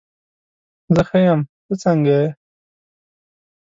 زه ښه یم، ته څنګه یې؟